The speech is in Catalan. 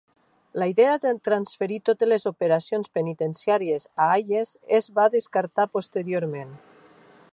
La idea de transferir totes les operacions penitenciàries a Hayes es va descartar posteriorment.